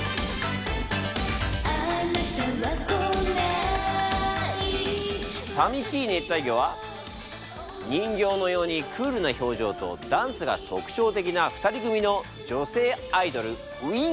「あなたは来ない」「淋しい熱帯魚」は人形のようにクールな表情とダンスが特徴的な２人組の女性アイドルＷｉｎｋの名曲です。